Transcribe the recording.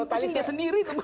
ini pusing dia sendiri